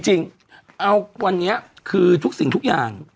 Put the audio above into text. จริงเอาวันเนี่ยขึ้นทุกสิ่งทุกอย่าง